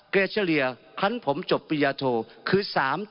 เกจรียร์ครั้นผมจบปริญญาโธคือ๓๙๔